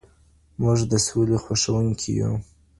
موږ د سولې خوښوونکي يو.